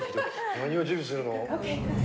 何を準備するの？